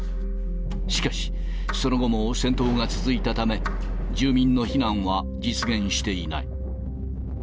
しかし、その後も戦闘が続いたため、住民の避難は実現していない。